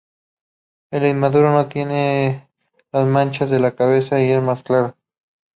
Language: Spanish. El inmaduro no tiene las manchas en la cabeza y es más claro.